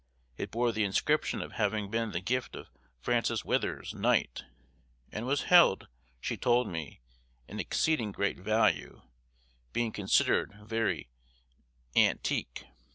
It bore the inscription of having been the gift of Francis Wythers, Knight, and was held, she told me, in exceeding great value, being considered very "antyke."